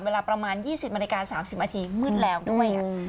เวลาประมาณ๒๐นาฬิกา๓๐นาทีมืดแล้วด้วย